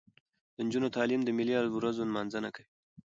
د نجونو تعلیم د ملي ورځو نمانځنه کوي.